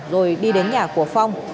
rồi đi đến nhà của phong